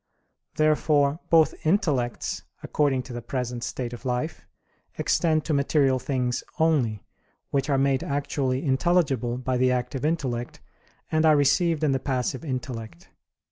Therefore both intellects, according to the present state of life, extend to material things only, which are made actually intelligible by the active intellect, and are received in the passive intellect.